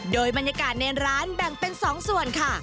โดยบรรยากาศในร้านแบ่งเป็น๒ส่วนค่ะ